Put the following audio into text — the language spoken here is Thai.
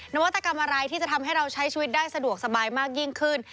นวัตกรรมอะไรที่จะทำให้เราใช้ชีวิตได้สะดวกสบายมากยิ่งขึ้น